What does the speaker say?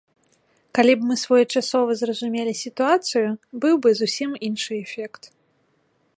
Калі б мы своечасова зразумелі сітуацыю, быў бы зусім іншы эфект.